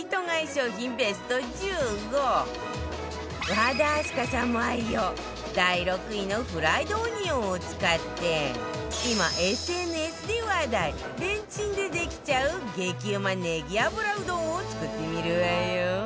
和田明日香さんも愛用第６位のフライドオニオンを使って今 ＳＮＳ で話題レンチンでできちゃう激うまネギ油うどんを作ってみるわよ